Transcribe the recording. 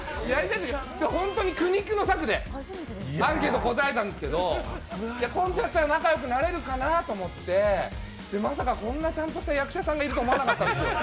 本当に苦肉の策でアンケートを答えたんですけどコントやったら仲良くなれるかなと思ってまさかこんなちゃんとした役者さんがいるとは思わなかったんですよ。